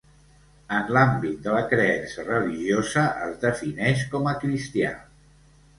En l'àmbit de la creença religiosa es defineix com a cristià.